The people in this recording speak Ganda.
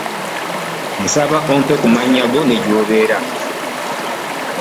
Nsaba ompe ku mannya go ne gyobeera.